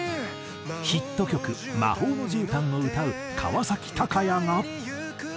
ヒット曲『魔法の絨毯』を歌う川崎鷹也が。